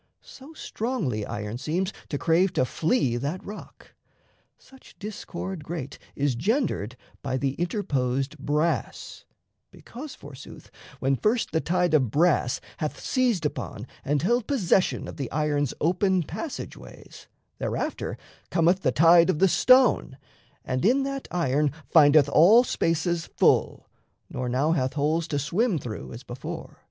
So strongly iron seems To crave to flee that rock. Such discord great Is gendered by the interposed brass, Because, forsooth, when first the tide of brass Hath seized upon and held possession of The iron's open passage ways, thereafter Cometh the tide of the stone, and in that iron Findeth all spaces full, nor now hath holes To swim through, as before.